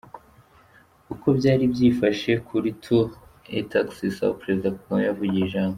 Uko byari byifashe kuri Tour et Taxis aho Perezida Kagame yavugiye ijambo.